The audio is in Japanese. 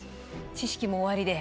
知識もおありで。